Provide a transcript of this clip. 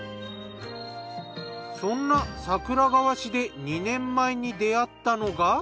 そんな桜川市で２年前に出会ったのが。